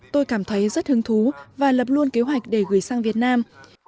tôi cảm thấy rất hứng thú và lập luôn kế hoạch để gửi sang việt nam